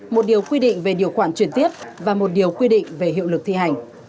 một điều quy định về điều khoản truyền tiết và một điều quy định về hiệu lực thi hành